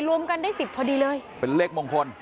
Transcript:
รวมกันได้๑๐พอดีเลยเลขมงคล